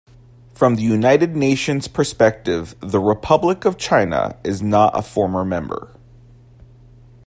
From the United Nations' perspective the "Republic of China" is not a former member.